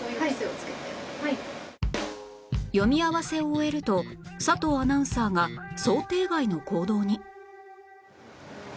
読み合わせを終えると佐藤アナウンサーが想定外の行動に